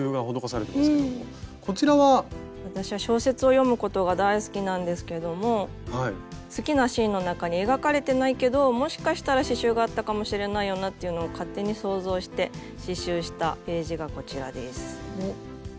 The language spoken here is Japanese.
私は小説を読むことが大好きなんですけども好きなシーンの中に描かれてないけどもしかしたら刺しゅうがあったかもしれないよなっていうのを勝手に想像して刺しゅうしたページがこちらです。